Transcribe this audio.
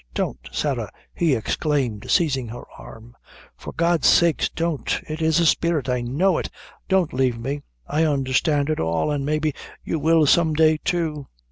"Don't, Sarah," he exclaimed, seizing her arm; "for God's sake, don't it is a spirit I know it don't lave me. I understand it all, an' maybe you will some day, too."